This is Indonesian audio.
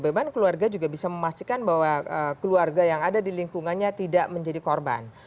memang keluarga juga bisa memastikan bahwa keluarga yang ada di lingkungannya tidak menjadi korban